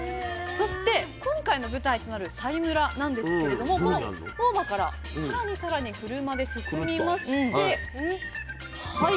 そして今回の舞台となる佐井村なんですけれどもこの大間から更に更に車で進みましてはい